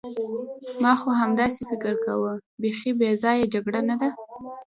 ما خو همداسې فکر کاوه، بیخي بې ځایه جګړه نه ده.